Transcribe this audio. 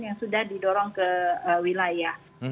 yang sudah didorong ke wilayah